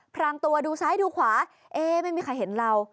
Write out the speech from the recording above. พรางตัวดูซ้ายดูขวาเอ๊ไม่มีใครเห็นเรา